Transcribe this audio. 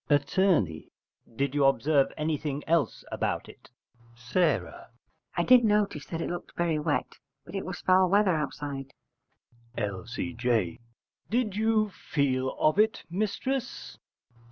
Att. Did you observe anything else about it? S. I did notice that it looked very wet: but it was foul weather outside. L.C.J. Did you feel of it, mistress?